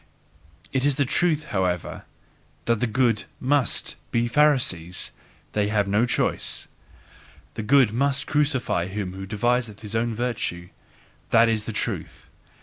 It is the truth, however, that the good MUST be Pharisees they have no choice! The good MUST crucify him who deviseth his own virtue! That IS the truth!